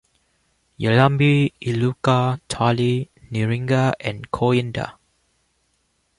'Yallambee,' 'Iluka,' 'Tarlee,' 'Nirringa' and 'Cooinda.